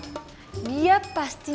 terima kasih banyak makul